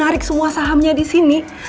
menarik semua sahamnya di sini